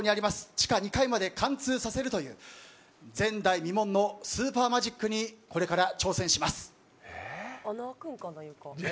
地下２階まで貫通させるという前代未聞のスーパーマジックにこれから挑戦します。